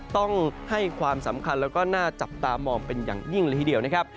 ต้องให้ความสำคัญแล้วก็น่าจับตามองเป็นอย่างยิ่งเลยทีเดียวนะครับ